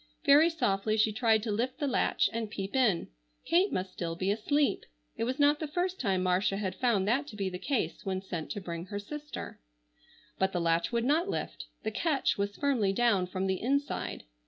Very softly she tried to lift the latch and peep in. Kate must still be asleep. It was not the first time Marcia had found that to be the case when sent to bring her sister. But the latch would not lift. The catch was firmly down from the inside.